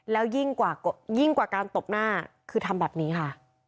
แล้วยิ่งกว่าการตบหน้าคือทำแบบนี้ค่ะ